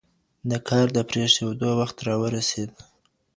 د کار د پرېښودو وخت را ورسېد.